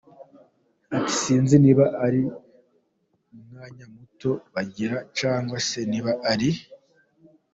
Ati “Sinzi niba ari umwanya muto bagira cyangwa se niba ari….